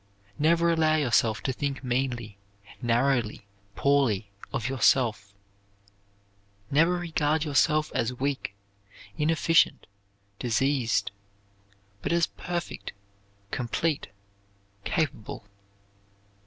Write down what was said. Never allow yourself to think meanly, narrowly, poorly of yourself. Never regard yourself as weak, inefficient, diseased, but as perfect, complete, capable.